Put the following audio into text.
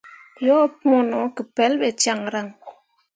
Yo pũũ no ke pelɓe caŋryaŋ.